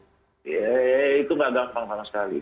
iya ya itu gak gampang banget sekali